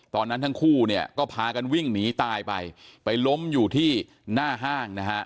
ตอนนั้นทั้งคู่เนี่ยก็พากันวิ่งหนีตายไปไปล้มอยู่ที่หน้าห้างนะฮะ